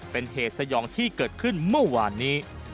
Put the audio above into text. เป็นเหตุสยองที่เกิดขึ้นเมื่อวานนี้